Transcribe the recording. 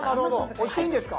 押していいんですか？